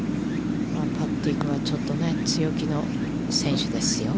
パッティングは、ちょっとね、強気の選手ですよ。